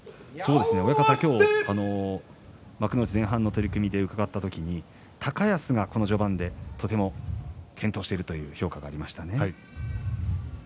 親方、今日幕内前半の取組で向かい合った時に高安がこの序盤でとても健闘していると評価がありましたね。